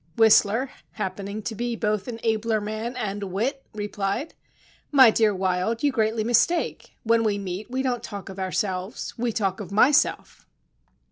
" Whistler happening to be both an abler man and a wit, replied: My dear Wilde, you greatly mistake ; when we meet, we don't talk of ourselves, we talk of myself."